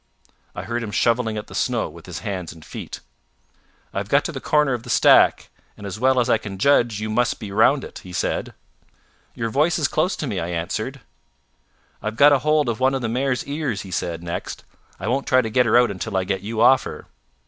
I heard him shovelling at the snow with his hands and feet. "I have got to the corner of the stack, and as well as I can judge you must be just round it," he said. "Your voice is close to me," I answered. "I've got a hold of one of the mare's ears," he said next. "I won't try to get her out until I get you off her."